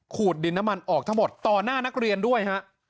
ดินน้ำมันออกทั้งหมดต่อหน้านักเรียนด้วยฮะ